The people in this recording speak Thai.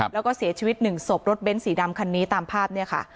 แล้วก็เสียชีวิตหนึ่งศพรถเบ้นสีดำคันนี้ตามภาพเนี่ยค่ะ